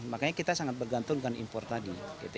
makanya kita sangat bergantung dengan impor tadi